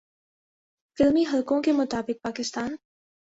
فلمی حلقوں کے مطابق پاکستان